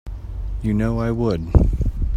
You know I would.